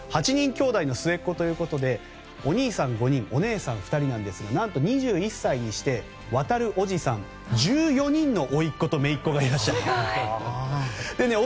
８人きょうだいの末っ子ということでお兄さん５人お姉さん２人ですが何と２１歳にして航おじさん１４人のおいっことめいっこがいらっしゃるそうです。